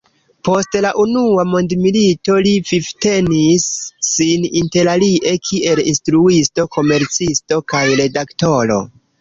Post la Unua Mondmilito li vivtenis sin interalie kiel instruisto, komercisto kaj redaktoro.